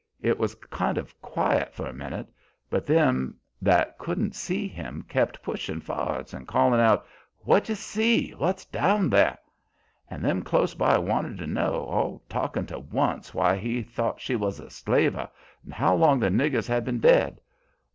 It was kind of quiet for a minute, but them that couldn't see him kep' pushin' for'ards and callin' out: 'What d'you see? What's down there?' And them close by wanted to know, all talkin' to once, why he thought she was a slaver, and how long the niggers had been dead.